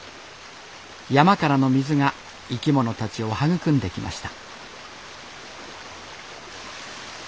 山からの水が生き物たちを育んできました